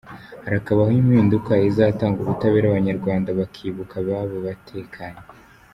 Harakabaho impinduka izatanga ubutabera abanyarwanda bakibuka ababo batekanye